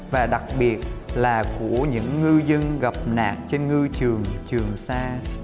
và đặc biệt là của những ngư dân gặp nạn trên ngư trường trường sa